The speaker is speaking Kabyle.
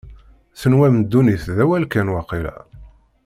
Tenwam ddunit d awal kan, waqila?